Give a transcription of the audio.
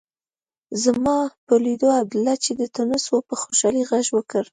زما په لیدو عبدالله چې د تونس و په خوشالۍ غږ وکړ.